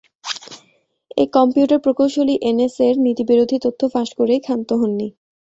এই কম্পিউটার প্রকৌশলী এনএসএর নীতিবিরোধী তথ্য ফাঁস করেই ক্ষান্ত হননি।